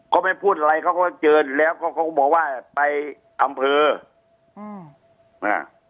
เขาไม่พูดอะไรเขาก็เจอแล้วก็เขาก็บอกว่าไปอำเภออืมอ่า